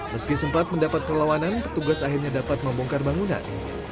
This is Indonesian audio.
meski sempat mendapat perlawanan petugas akhirnya dapat membongkar bangunan